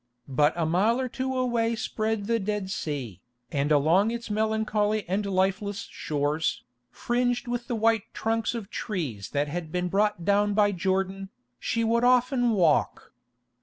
But a mile or two away spread the Dead Sea, and along its melancholy and lifeless shores, fringed with the white trunks of trees that had been brought down by Jordan, she would often walk.